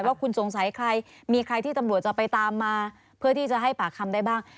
ด้วยบอกว่าคุณสงสัยใครมีใครที่จะไปตามมาเพื่อที่จะให้ปากคำได้บ้าง